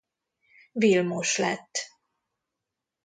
Vilmos lett.